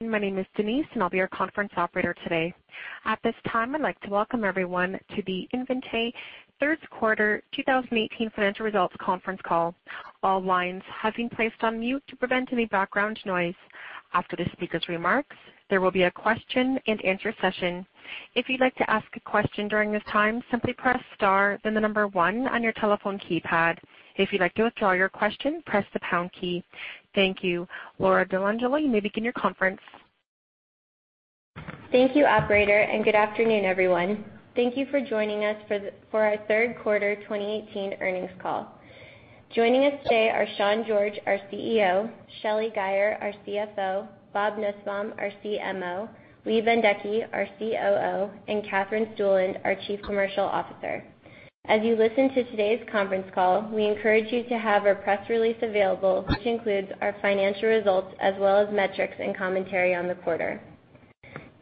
My name is Denise, and I'll be your conference operator today. At this time, I'd like to welcome everyone to the Invitae Third Quarter 2018 Financial Results Conference Call. All lines have been placed on mute to prevent any background noise. After the speaker's remarks, there will be a question and answer session. If you'd like to ask a question during this time, simply press star then the number one on your telephone keypad. If you'd like to withdraw your question, press the pound key. Thank you. Laura Dellangelo, you may begin your conference. Thank you operator. Good afternoon, everyone. Thank you for joining us for our third quarter 2018 earnings call. Joining us today are Sean George, our CEO, Shelly Guyer, our CFO, Robert Nussbaum, our CMO, Lee Bendekgey, our COO, and Katherine Stueland, our Chief Commercial Officer. As you listen to today's conference call, we encourage you to have our press release available, which includes our financial results as well as metrics and commentary on the quarter.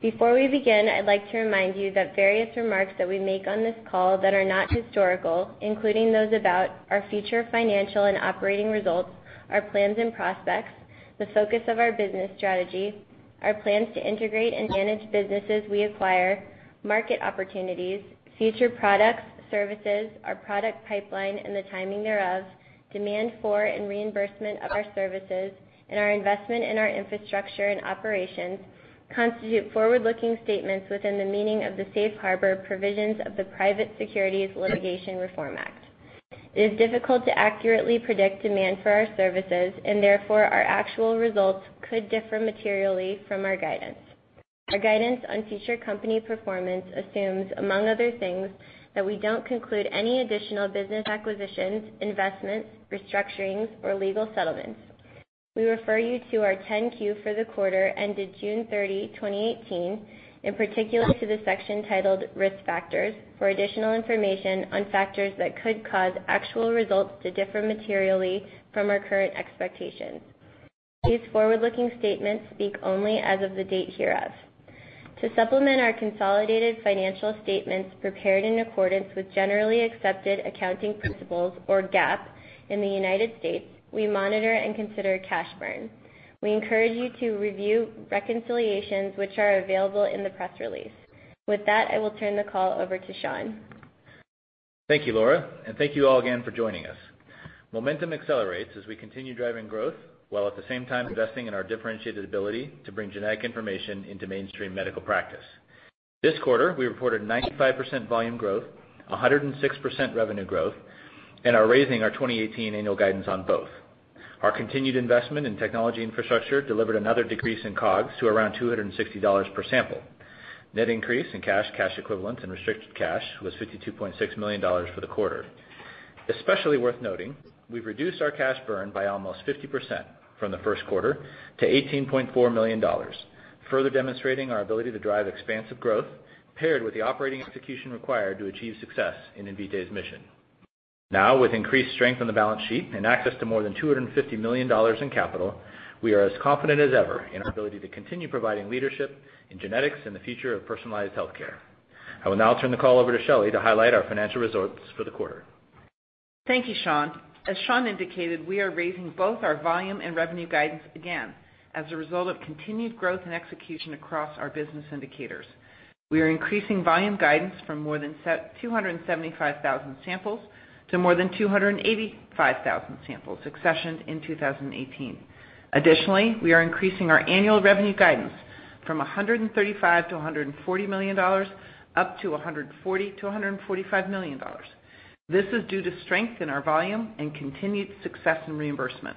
Before we begin, I'd like to remind you that various remarks that we make on this call that are not historical, including those about our future financial and operating results, our plans and prospects, the focus of our business strategy, our plans to integrate and manage businesses we acquire, market opportunities, future products, services, our product pipeline, and the timing thereof, demand for and reimbursement of our services, and our investment in our infrastructure and operations, constitute forward-looking statements within the meaning of the Safe Harbor provisions of the Private Securities Litigation Reform Act. It is difficult to accurately predict demand for our services. Therefore, our actual results could differ materially from our guidance. Our guidance on future company performance assumes, among other things, that we don't conclude any additional business acquisitions, investments, restructurings, or legal settlements. We refer you to our 10-Q for the quarter ended June 30, 2018, in particular to the section titled Risk Factors for additional information on factors that could cause actual results to differ materially from our current expectations. These forward-looking statements speak only as of the date hereof. To supplement our consolidated financial statements prepared in accordance with generally accepted accounting principles, or GAAP, in the U.S., we monitor and consider cash burn. We encourage you to review reconciliations which are available in the press release. With that, I will turn the call over to Sean. Thank you, Laura, and thank you all again for joining us. Momentum accelerates as we continue driving growth, while at the same time investing in our differentiated ability to bring genetic information into mainstream medical practice. This quarter, we reported 95% volume growth, 106% revenue growth, and are raising our 2018 annual guidance on both. Our continued investment in technology infrastructure delivered another decrease in COGS to around $260 per sample. Net increase in cash equivalents, and restricted cash was $52.6 million for the quarter. Especially worth noting, we've reduced our cash burn by almost 50% from the first quarter to $18.4 million, further demonstrating our ability to drive expansive growth paired with the operating execution required to achieve success in Invitae's mission. With increased strength on the balance sheet and access to more than $250 million in capital, we are as confident as ever in our ability to continue providing leadership in genetics and the future of personalized healthcare. I will now turn the call over to Shelly to highlight our financial results for the quarter. Thank you, Sean. As Sean indicated, we are raising both our volume and revenue guidance again as a result of continued growth and execution across our business indicators. We are increasing volume guidance from more than 275,000 samples to more than 285,000 samples accessioned in 2018. Additionally, we are increasing our annual revenue guidance from $135 million-$140 million up to $140 million-$145 million. This is due to strength in our volume and continued success in reimbursement.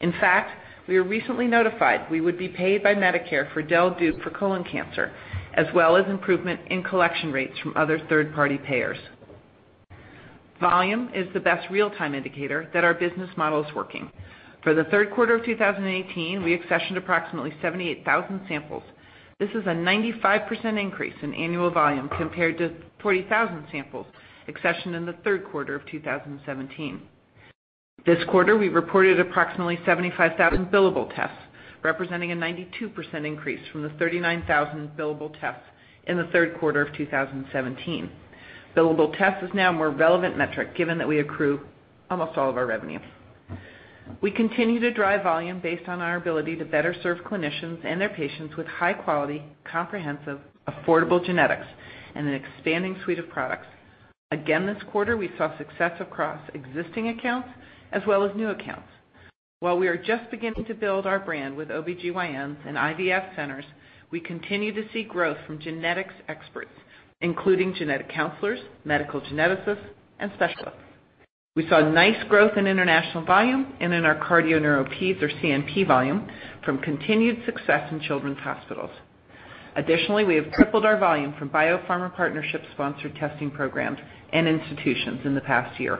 In fact, we were recently notified we would be paid by Medicare for del/dup for colon cancer, as well as improvement in collection rates from other third-party payers. Volume is the best real-time indicator that our business model is working. For the third quarter of 2018, we accessioned approximately 78,000 samples. This is a 95% increase in annual volume compared to 40,000 samples accessioned in the third quarter of 2017. This quarter, we reported approximately 75,000 billable tests, representing a 92% increase from the 39,000 billable tests in the third quarter of 2017. Billable tests is now a more relevant metric given that we accrue almost all of our revenue. We continue to drive volume based on our ability to better serve clinicians and their patients with high-quality, comprehensive, affordable genetics and an expanding suite of products. Again, this quarter, we saw success across existing accounts as well as new accounts. While we are just beginning to build our brand with OBGYNs and IVF centers, we continue to see growth from genetics experts, including genetic counselors, medical geneticists, and specialists. We saw nice growth in international volume and in our cardio neuro pedes, or CNP volume, from continued success in children's hospitals. Additionally, we have tripled our volume from biopharma partnership sponsored testing programs and institutions in the past year.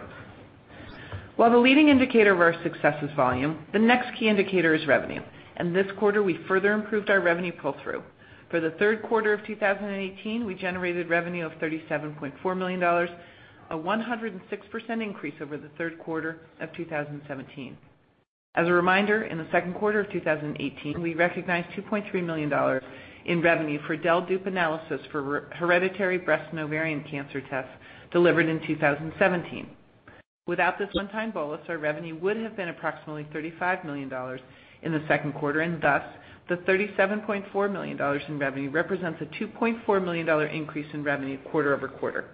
While the leading indicator of our success is volume, the next key indicator is revenue, and this quarter, we further improved our revenue pull-through. For the third quarter of 2018, we generated revenue of $37.4 million, a 106% increase over the third quarter of 2017. As a reminder, in the second quarter of 2018, we recognized $2.3 million in revenue for del dup analysis for hereditary breast and ovarian cancer tests delivered in 2017. Without this one-time bolus, our revenue would have been approximately $35 million in the second quarter, and thus, the $37.4 million in revenue represents a $2.4 million increase in revenue quarter-over-quarter.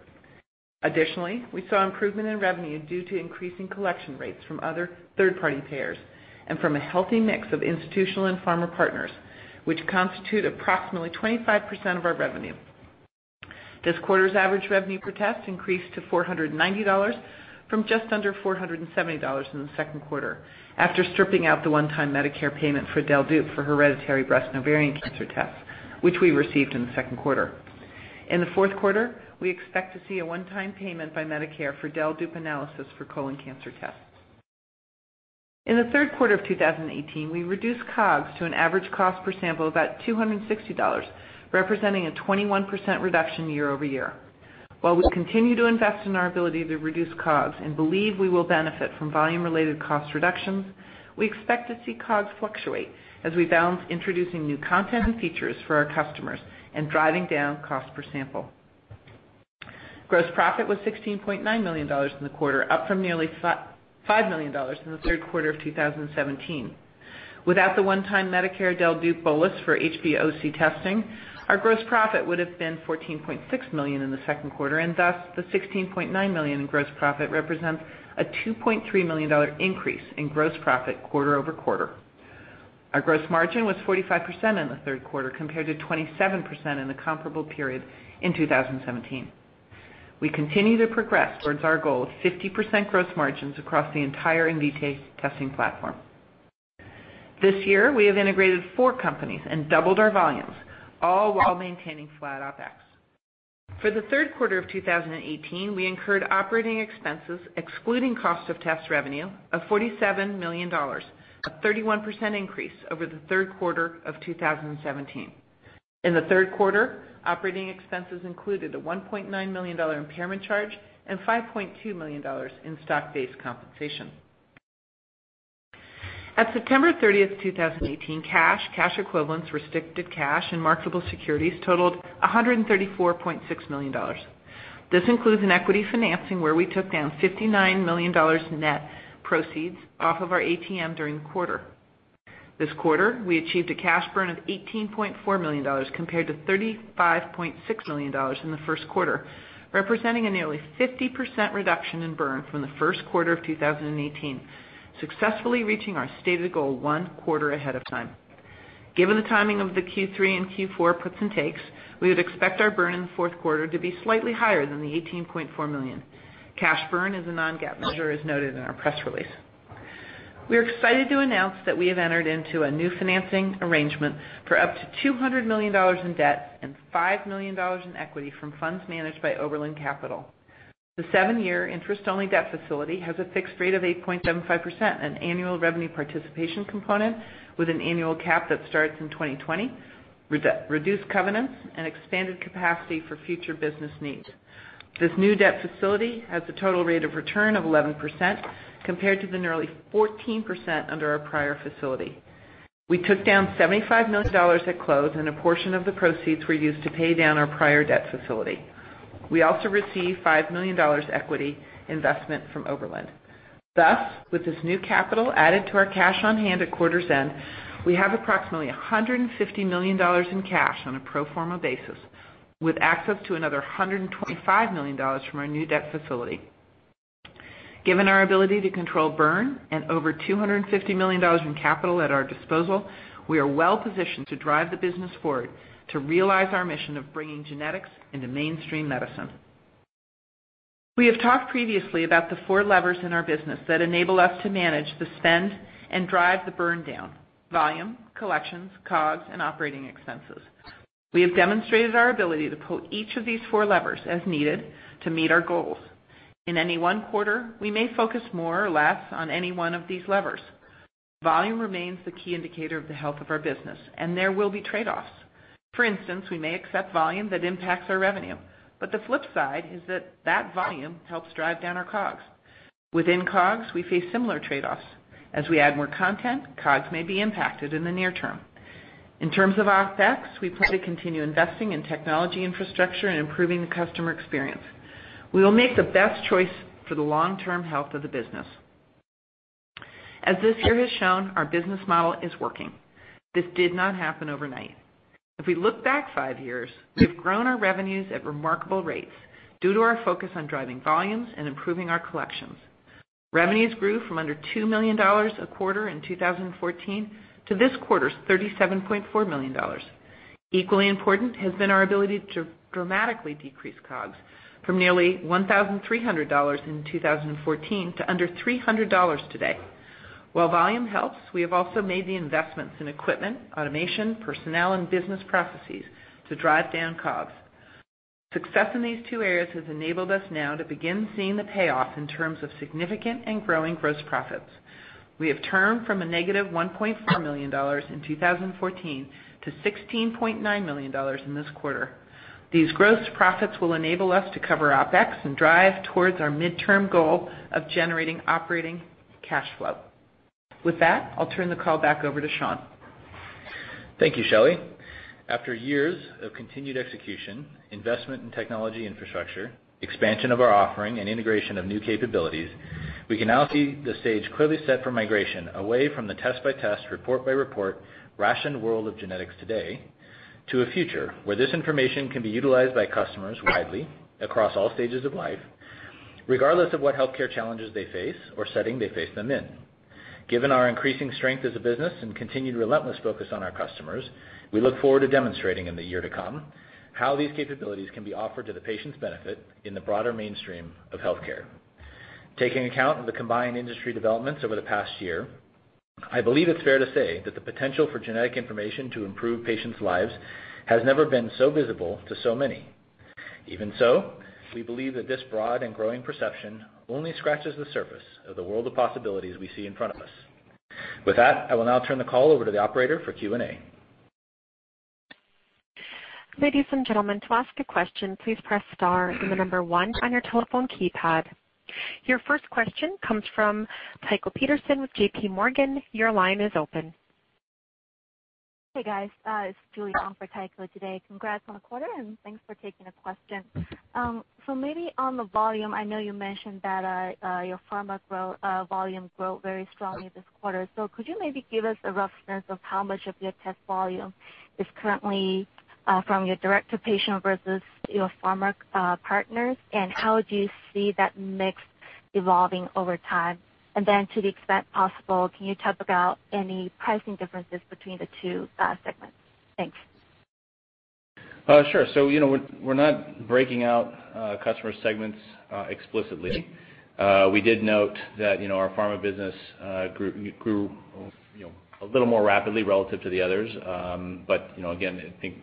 Additionally, we saw improvement in revenue due to increasing collection rates from other third-party payers and from a healthy mix of institutional and pharma partners, which constitute approximately 25% of our revenue. This quarter's average revenue per test increased to $490 from just under $470 in the second quarter, after stripping out the one-time Medicare payment for del/dup for hereditary breast and ovarian cancer tests, which we received in the second quarter. In the fourth quarter, we expect to see a one-time payment by Medicare for del/dup analysis for colon cancer tests. In the third quarter of 2018, we reduced COGS to an average cost per sample of about $260, representing a 21% reduction year-over-year. While we continue to invest in our ability to reduce COGS and believe we will benefit from volume-related cost reductions, we expect to see COGS fluctuate as we balance introducing new content and features for our customers and driving down cost per sample. Gross profit was $16.9 million in the quarter, up from nearly $5 million in the third quarter of 2017. Without the one-time Medicare del/dup bolus for HBOC testing, our gross profit would have been $14.6 million in the second quarter, and thus, the $16.9 million in gross profit represents a $2.3 million increase in gross profit quarter-over-quarter. Our gross margin was 45% in the third quarter, compared to 27% in the comparable period in 2017. We continue to progress towards our goal of 50% gross margins across the entire Invitae testing platform. This year, we have integrated four companies and doubled our volumes, all while maintaining flat OpEx. For the third quarter of 2018, we incurred operating expenses excluding cost of test revenue of $47 million, a 31% increase over the third quarter of 2017. In the third quarter, operating expenses included a $1.9 million impairment charge and $5.2 million in stock-based compensation. At September 30th, 2018, cash equivalents, restricted cash, and marketable securities totaled $134.6 million. This includes an equity financing where we took down $59 million net proceeds off of our ATM during the quarter. This quarter, we achieved a cash burn of $18.4 million, compared to $35.6 million in the first quarter, representing a nearly 50% reduction in burn from the first quarter of 2018, successfully reaching our stated goal one quarter ahead of time. Given the timing of the Q3 and Q4 puts and takes, we would expect our burn in the fourth quarter to be slightly higher than the $18.4 million. Cash burn is a non-GAAP measure, as noted in our press release. We are excited to announce that we have entered into a new financing arrangement for up to $200 million in debt and $5 million in equity from funds managed by Oberland Capital. The seven-year interest-only debt facility has a fixed rate of 8.75%, an annual revenue participation component with an annual cap that starts in 2020, reduced covenants, and expanded capacity for future business needs. This new debt facility has a total rate of return of 11%, compared to the nearly 14% under our prior facility. We took down $75 million at close, and a portion of the proceeds were used to pay down our prior debt facility. We also received a $5 million equity investment from Oberland Capital. Thus, with this new capital added to our cash on hand at quarter's end, we have approximately $150 million in cash on a pro forma basis, with access to another $125 million from our new debt facility. Given our ability to control burn and over $250 million in capital at our disposal, we are well positioned to drive the business forward to realize our mission of bringing genetics into mainstream medicine. We have talked previously about the four levers in our business that enable us to manage the spend and drive the burn down: volume, collections, COGS, and operating expenses. We have demonstrated our ability to pull each of these four levers as needed to meet our goals. In any one quarter, we may focus more or less on any one of these levers. Volume remains the key indicator of the health of our business, and there will be trade-offs. For instance, we may accept volume that impacts our revenue, but the flip side is that that volume helps drive down our COGS. Within COGS, we face similar trade-offs. As we add more content, COGS may be impacted in the near term. In terms of OpEx, we plan to continue investing in technology infrastructure and improving the customer experience. We will make the best choice for the long-term health of the business. As this year has shown, our business model is working. This did not happen overnight. If we look back five years, we've grown our revenues at remarkable rates due to our focus on driving volumes and improving our collections. Revenues grew from under $2 million a quarter in 2014 to this quarter's $37.4 million. Equally important has been our ability to dramatically decrease COGS from nearly $1,300 in 2014 to under $300 today. While volume helps, we have also made the investments in equipment, automation, personnel, and business processes to drive down COGS. Success in these two areas has enabled us now to begin seeing the payoff in terms of significant and growing gross profits. We have turned from a negative $1.4 million in 2014 to $16.9 million in this quarter. These gross profits will enable us to cover OpEx and drive towards our midterm goal of generating operating cash flow. With that, I'll turn the call back over to Sean. Thank you, Shelly. After years of continued execution, investment in technology infrastructure, expansion of our offering and integration of new capabilities, we can now see the stage clearly set for migration away from the test-by-test, report-by-report ration world of genetics today, to a future where this information can be utilized by customers widely across all stages of life, regardless of what healthcare challenges they face or setting they face them in. Given our increasing strength as a business and continued relentless focus on our customers, we look forward to demonstrating in the year to come how these capabilities can be offered to the patient's benefit in the broader mainstream of healthcare. Taking account of the combined industry developments over the past year, I believe it's fair to say that the potential for genetic information to improve patients' lives has never been so visible to so many. Even so, we believe that this broad and growing perception only scratches the surface of the world of possibilities we see in front of us. With that, I will now turn the call over to the operator for Q&A. Ladies and gentlemen, to ask a question, please press star and the number 1 on your telephone keypad. Your first question comes from Tycho Peterson with J.P. Morgan. Your line is open. Hey, guys. It's Julie Wong for Tycho today. Congrats on the quarter, and thanks for taking the question. Maybe on the volume, I know you mentioned that your pharma volume grew very strongly this quarter. Could you maybe give us a rough sense of how much of your test volume is currently from your direct-to-patient versus your pharma partners, and how do you see that mix evolving over time? To the extent possible, can you talk about any pricing differences between the two segments? Thanks. Sure. We're not breaking out customer segments explicitly. We did note that our pharma business grew a little more rapidly relative to the others. Again, I think,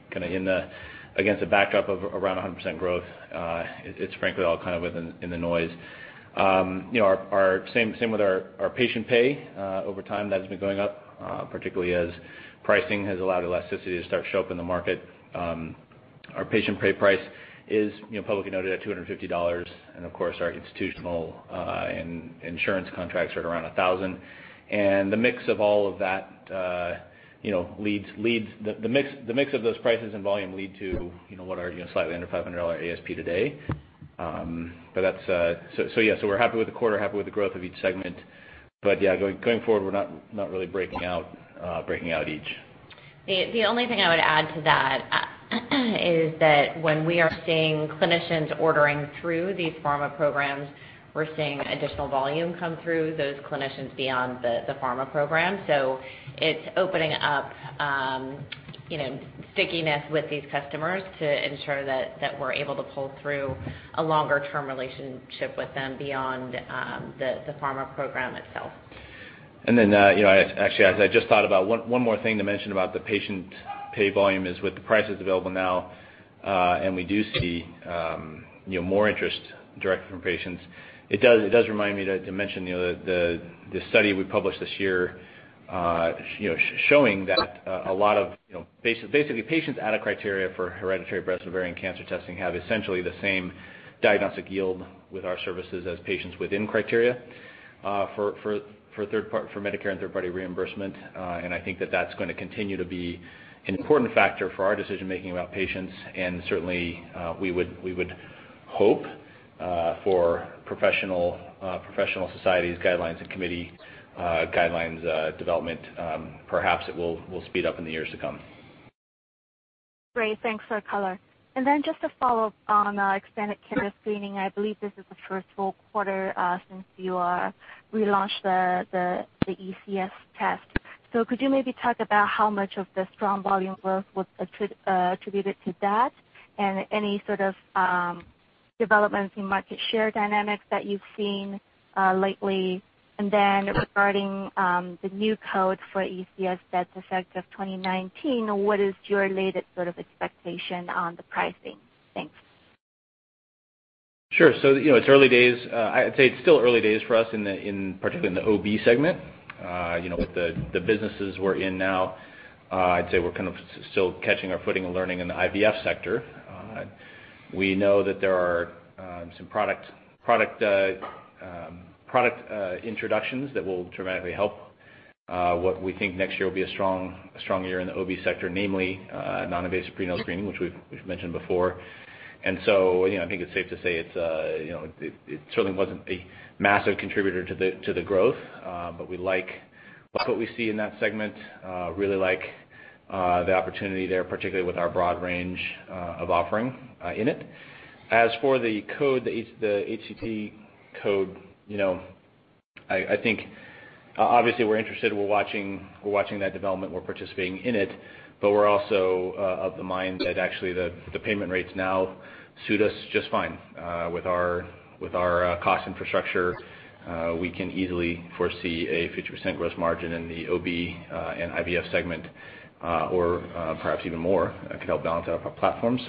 against a backdrop of around 100% growth, it's frankly all kind of within the noise. Same with our patient pay. Over time, that's been going up, particularly as pricing has allowed elasticity to start to show up in the market. Our patient pay price is publicly noted at $250, and of course, our institutional and insurance contracts are at around $1,000. The mix of those prices and volume lead to what are slightly under $500 ASP today. We're happy with the quarter, happy with the growth of each segment. Going forward, we're not really breaking out each. The only thing I would add to that is that when we are seeing clinicians ordering through these pharma programs, we're seeing additional volume come through those clinicians beyond the pharma program. It's opening up stickiness with these customers to ensure that we're able to pull through a longer-term relationship with them beyond the pharma program itself. Actually, as I just thought about, one more thing to mention about the patient pay volume is with the prices available now, and we do see more interest directly from patients. It does remind me to mention the study we published this year, showing that a lot of patients out of criteria for hereditary breast and ovarian cancer testing have essentially the same diagnostic yield with our services as patients within criteria for Medicare and third-party reimbursement. I think that that's going to continue to be an important factor for our decision-making about patients, and certainly, we would hope for professional societies guidelines and committee guidelines development. Perhaps it will speed up in the years to come. Great. Thanks for the color. Just a follow-up on expanded carrier screening. I believe this is the first full quarter since you relaunched the ECS test. Could you maybe talk about how much of the strong volume growth was attributed to that and any sort of developments in market share dynamics that you've seen lately? Regarding the new code for ECS that's effective 2019, what is your latest sort of expectation on the pricing? Thanks. Sure. It's early days. I'd say it's still early days for us, particularly in the OB segment. With the businesses we're in now, I'd say we're kind of still catching our footing and learning in the IVF sector. We know that there are some product introductions that will dramatically help what we think next year will be a strong year in the OB sector, namely, non-invasive prenatal screening, which we've mentioned before. I think it's safe to say it certainly wasn't a massive contributor to the growth, but we like what we see in that segment, really like the opportunity there, particularly with our broad range of offering in it. As for the code, the HCT code, I think obviously we're interested, we're watching that development. We're participating in it, but we're also of the mind that actually the payment rates now suit us just fine. With our cost infrastructure, we can easily foresee a 50% gross margin in the OB and IVF segment or perhaps even more. It could help balance out our platform.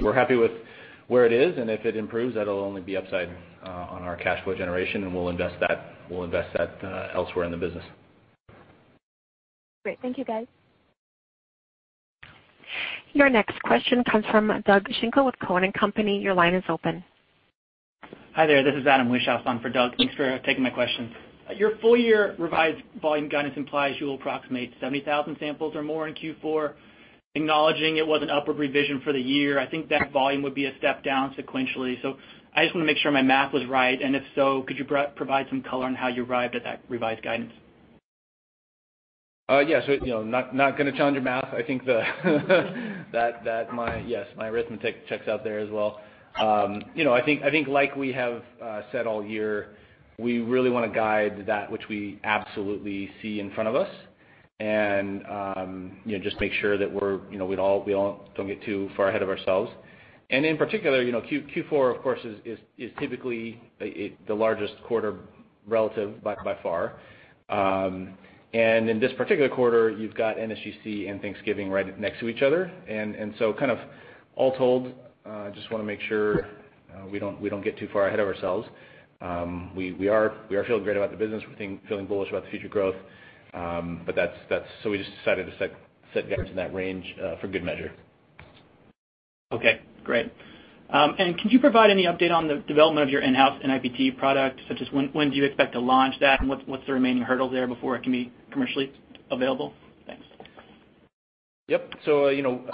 We're happy with where it is, and if it improves, that'll only be upside on our cash flow generation, and we'll invest that elsewhere in the business. Great. Thank you, guys. Your next question comes from Doug Schenkel with Cowen and Company. Your line is open. Hi there. This is Adam Wishoff on for Doug. Thanks for taking my question. Your full-year revised volume guidance implies you will approximate 70,000 samples or more in Q4. Acknowledging it was an upward revision for the year, I think that volume would be a step down sequentially. I just want to make sure my math was right, and if so, could you provide some color on how you arrived at that revised guidance? Yes. Not going to challenge your math. Yes, my arithmetic checks out there as well. I think like we have said all year, we really want to guide that which we absolutely see in front of us and just make sure that we don't get too far ahead of ourselves. In particular, Q4, of course, is typically the largest quarter relative by far. In this particular quarter, you've got NSGC and Thanksgiving right next to each other. All told, just want to make sure we don't get too far ahead of ourselves. We are feeling great about the business. We're feeling bullish about the future growth. We just decided to set guidance in that range for good measure. Okay, great. Could you provide any update on the development of your in-house NIPT product, such as when do you expect to launch that and what's the remaining hurdle there before it can be commercially available? Thanks. Yep.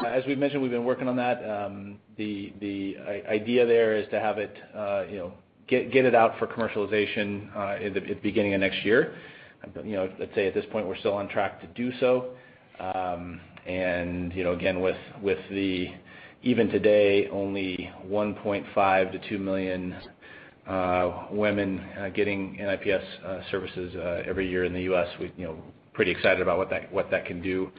As we've mentioned, we've been working on that. The idea there is to get it out for commercialization at the beginning of next year. I'd say at this point, we're still on track to do so. Again, even today, only 1.5 to 2 million women getting NIPS services every year in the U.S., we're pretty excited about what that can do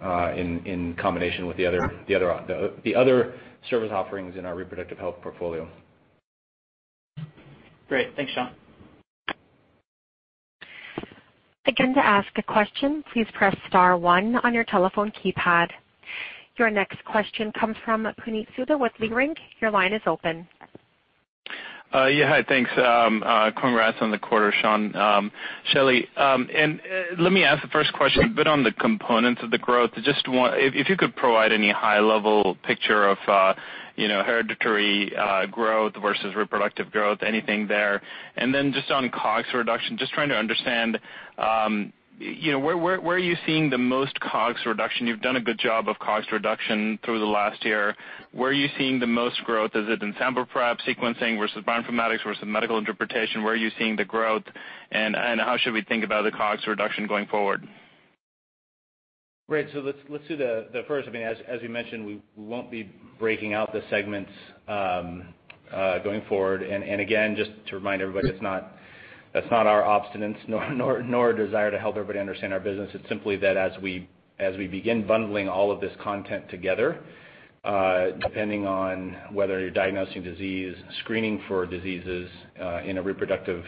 in combination with the other service offerings in our reproductive health portfolio. Great. Thanks, Sean. Again, to ask a question, please press star one on your telephone keypad. Your next question comes from Puneet Souda with Leerink. Your line is open. Yeah. Hi, thanks. Congrats on the quarter, Sean, Shelly. Let me ask the first question a bit on the components of the growth. If you could provide any high-level picture of hereditary growth versus reproductive growth, anything there. Just on COGS reduction, just trying to understand where are you seeing the most COGS reduction? You've done a good job of COGS reduction through the last year. Where are you seeing the most growth? Is it in sample prep, sequencing versus bioinformatics versus medical interpretation? Where are you seeing the growth, and how should we think about the COGS reduction going forward? Great. Let's do the first. As we mentioned, we won't be breaking out the segments going forward. Again, just to remind everybody, that's not our obstinance nor a desire to help everybody understand our business. It's simply that as we begin bundling all of this content together, depending on whether you're diagnosing disease, screening for diseases in a reproductive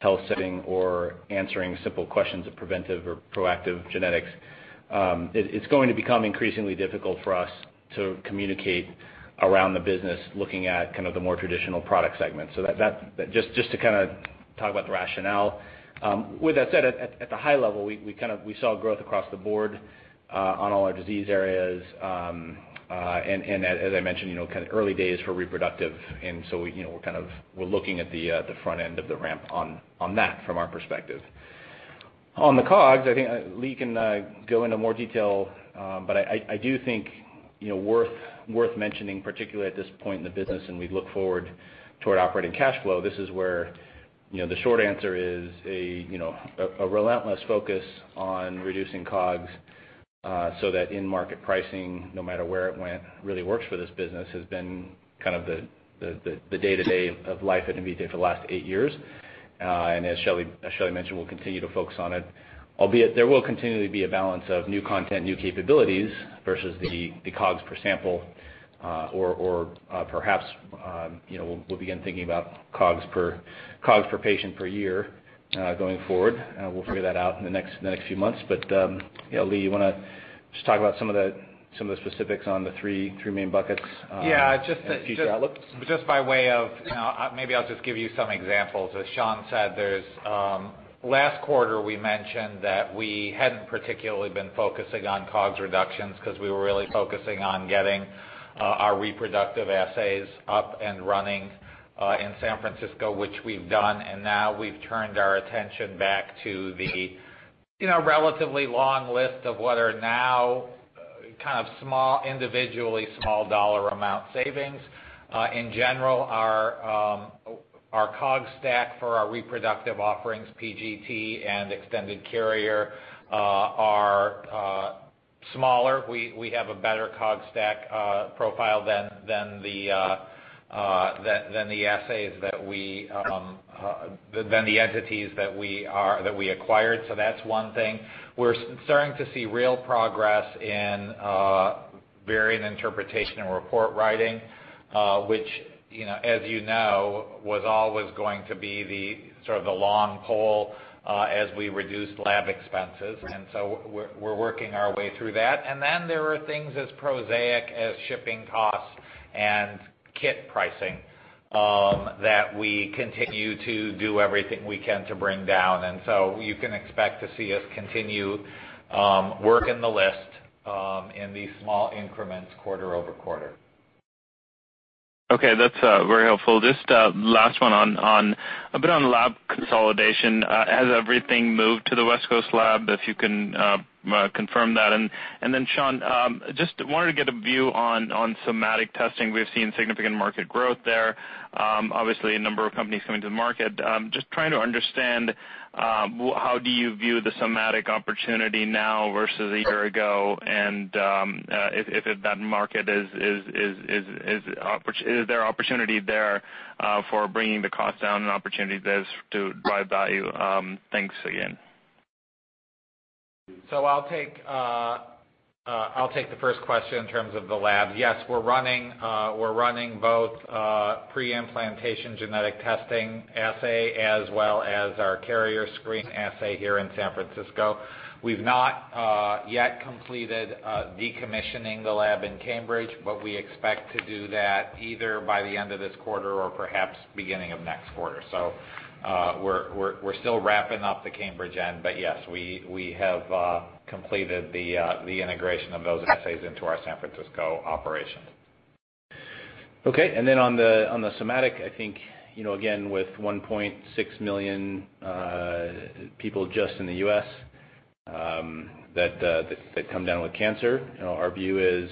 health setting, or answering simple questions of preventive or proactive genetics, it's going to become increasingly difficult for us to communicate around the business looking at kind of the more traditional product segments. Just to talk about the rationale. With that said, at the high level, we saw growth across the board on all our disease areas. As I mentioned, early days for reproductive, we're looking at the front end of the ramp on that from our perspective. On the COGS, I think Lee can go into more detail, but I do think worth mentioning, particularly at this point in the business, we look forward toward operating cash flow, this is where the short answer is a relentless focus on reducing COGS so that in-market pricing, no matter where it went, really works for this business has been kind of the day-to-day of life at Invitae for the last eight years. As Shelly mentioned, we'll continue to focus on it. Albeit there will continually be a balance of new content, new capabilities versus the COGS per sample or perhaps we'll begin thinking about COGS per patient per year going forward. We'll figure that out in the next few months. Lee, you want to just talk about some of the specifics on the three main buckets and future outlooks? Yeah. Maybe I'll just give you some examples. As Sean said, last quarter, we mentioned that we hadn't particularly been focusing on COGS reductions because we were really focusing on getting our reproductive assays up and running in San Francisco, which we've done, now we've turned our attention back to the relatively long list of what are now kind of individually small dollar amount savings. In general, our COGS stack for our reproductive offerings, PGT and extended carrier, are smaller. We have a better COGS stack profile than the entities that we acquired. That's one thing. We're starting to see real progress in variant interpretation and report writing, which as you know, was always going to be the sort of the long pull as we reduced lab expenses, we're working our way through that. Then there are things as prosaic as shipping costs and kit pricing that we continue to do everything we can to bring down. So you can expect to see us continue working the list in these small increments quarter-over-quarter. Okay. That's very helpful. Just last one on, a bit on lab consolidation. Has everything moved to the West Coast lab? If you can confirm that. Then Sean, just wanted to get a view on somatic testing. We've seen significant market growth there. Obviously a number of companies coming to the market. Just trying to understand, how do you view the somatic opportunity now versus a year ago? Is there opportunity there for bringing the cost down and opportunities to drive value? Thanks again. I'll take the first question in terms of the lab. Yes, we're running both pre-implantation genetic testing assay as well as our carrier screen assay here in San Francisco. We've not yet completed decommissioning the lab in Cambridge, we expect to do that either by the end of this quarter or perhaps beginning of next quarter. We're still wrapping up the Cambridge end. Yes, we have completed the integration of those assays into our San Francisco operations. Okay. On the somatic, I think, again, with 1.6 million people just in the U.S. that come down with cancer, our view is,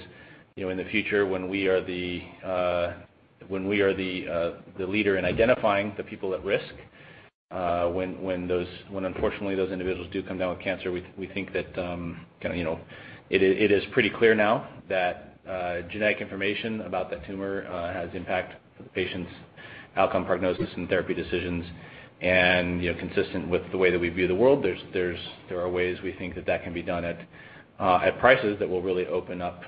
in the future when we are the leader in identifying the people at risk, when unfortunately those individuals do come down with cancer, we think that it is pretty clear now that genetic information about that tumor has impact on the patient's outcome prognosis and therapy decisions. Consistent with the way that we view the world, there are ways we think that that can be done at prices that will really open up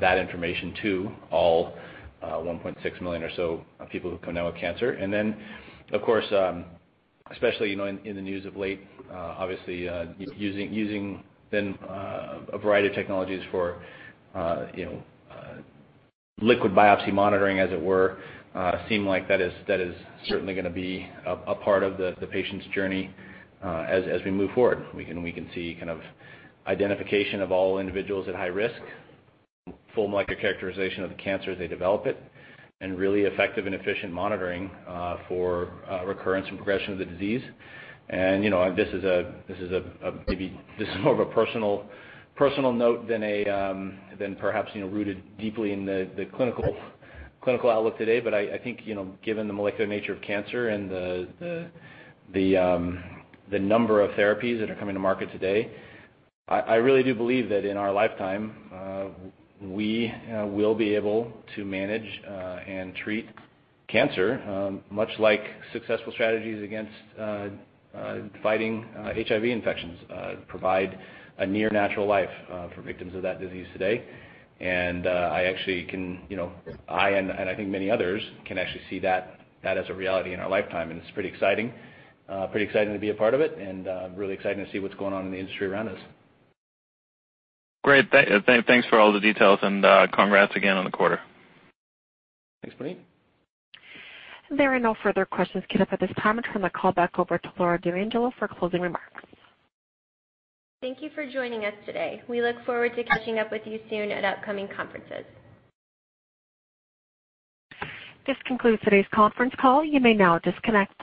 that information to all 1.6 million or so people who come down with cancer. Of course, especially in the news of late, obviously, using then a variety of technologies for liquid biopsy monitoring, as it were, seem like that is certainly going to be a part of the patient's journey as we move forward. We can see identification of all individuals at high risk, full molecular characterization of the cancer as they develop it, and really effective and efficient monitoring for recurrence and progression of the disease. This is more of a personal note than perhaps rooted deeply in the clinical outlook today. I think, given the molecular nature of cancer and the number of therapies that are coming to market today, I really do believe that in our lifetime, we will be able to manage and treat cancer, much like successful strategies against fighting HIV infections provide a near natural life for victims of that disease today. I actually can, I and I think many others, can actually see that as a reality in our lifetime. It's pretty exciting to be a part of it and really exciting to see what's going on in the industry around us. Great. Thanks for all the details and congrats again on the quarter. Thanks, Punnet. There are no further questions queued up at this time. I turn the call back over to Laura Dellangelo for closing remarks. Thank you for joining us today. We look forward to catching up with you soon at upcoming conferences. This concludes today's conference call. You may now disconnect.